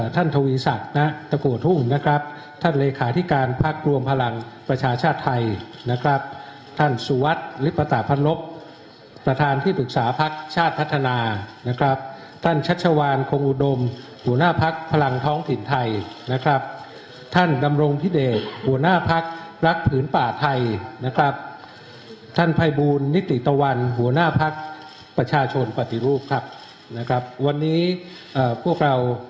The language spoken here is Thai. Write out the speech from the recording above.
หัวหน้าพรรคประชาชนปฏิรูปครับนะครับวันนี้เอ่อพวกเรา